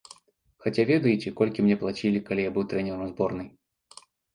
Хаця ведаеце, колькі мне плацілі, калі я быў трэнерам зборнай?